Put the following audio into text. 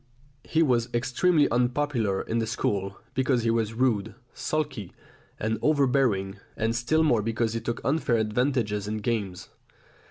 He was extremely unpopular in the school, because he was rude, sulky, and overbearing, and still more because he took unfair advantages in games.